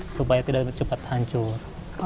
supaya tidak cepat hancur